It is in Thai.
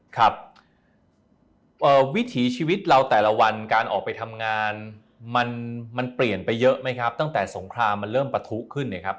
ครับวิถีชีวิตเราแต่ละวันการออกไปทำงานมันเปลี่ยนไปเยอะไหมครับตั้งแต่สงครามมันเริ่มปะทุขึ้นเนี่ยครับ